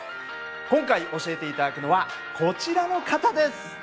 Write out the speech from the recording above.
今回教えて頂くのはこちらの方です。